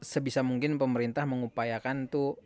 sebisa mungkin pemerintah mengupayakan tuh